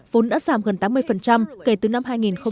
vốn đã giảm gần tám mươi kể từ năm hai nghìn một mươi